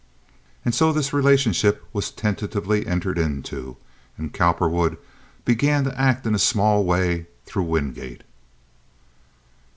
And so this relationship was tentatively entered into and Cowperwood began to act in a small way through Wingate.